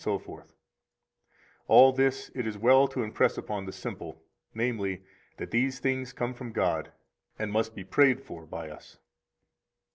79 All this it is well to impress upon the simple, namely, that these things come from God, and must be prayed for by us.